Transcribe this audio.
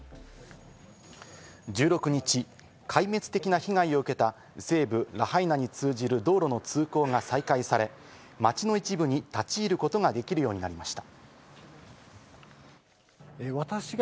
１６日、壊滅的な被害を受けた西部ラハイナに通じる道路の通行が再開され、町の一部に立ちいることができるようになりました。